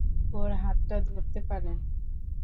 ওর হাতটা ধরতে পারেন?